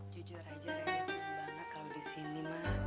jujur aja re kesini banget kalau disini